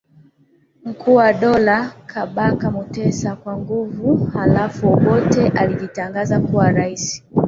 Mkuu wa Dola Kabaka Mutesa kwa nguvu halafu Obote alijitangaza kuwa rais